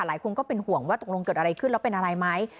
หลายคนก็เป็นห่วงว่าตกลงเกิดอะไรขึ้นแล้วเป็นอะไรไหม